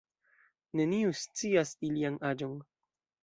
Neniu scias ilian aĝon.